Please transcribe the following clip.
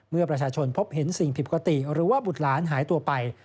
เมื่อประชาชนพบเห็นสิ่งผิดปกติหรือว่าบุตรหลานหายตัวไป